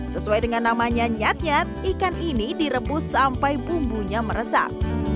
sesuai dengan namanya nyat nyat ikan ini direbus sampai bumbunya meresap